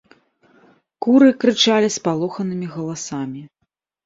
Куры крычалі спалоханымі галасамі.